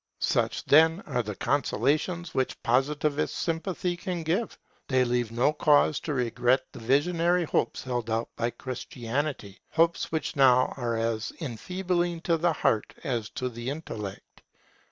Such, then, are the consolations which Positivist sympathy can give. They leave no cause to regret the visionary hopes held out by Christianity, hopes which now are as enfeebling to the heart as to the intellect.